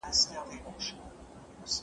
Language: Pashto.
له خپلو سيالانو سره نکاح کول څه ګټه لري؟